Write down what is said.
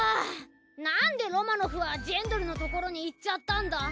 なんでロマノフはジェンドルのところに行っちゃったんだ？